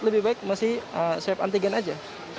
lebih baik masih swab antigen aja